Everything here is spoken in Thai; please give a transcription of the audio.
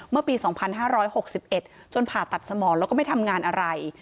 เมื่อปีสองพันห้าร้อยหกสิบเอ็ดจนผ่าตัดสมองแล้วก็ไม่ทำงานอะไร